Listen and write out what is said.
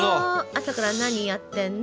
朝から何やってんの？